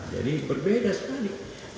jadi berbeda sekali